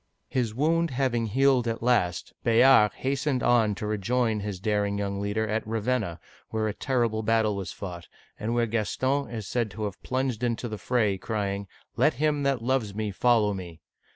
His wound having healed at last, Bayard hastened on to rejoin his daring young leader at Raven'na, where a terrible battle was fought, and where Gaston is said to have plunged into the fra.y, crying, " Let him that loves me follow me!"